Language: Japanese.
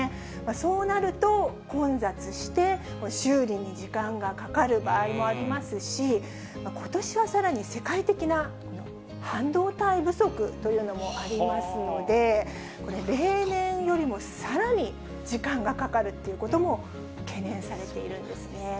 そうなると混雑して、修理に時間がかかる場合もありますし、ことしはさらに世界的な半導体不足というのもありますので、例年よりもさらに時間がかかるっていうことも懸念されているんですね。